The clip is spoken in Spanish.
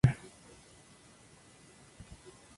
En los tiempos en que Mr.